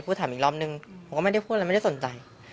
ถามอีกรอบนึงผมก็ไม่ได้พูดอะไรไม่ได้สนใจ